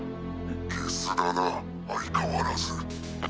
ゲスだな相変わらず。